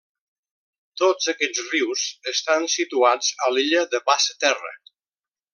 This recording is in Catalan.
Tots aquests rius estan situats a l'Illa de Basse-Terre.